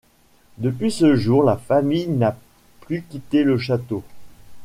Depuis ce jour la famille n’a plus quitté le château.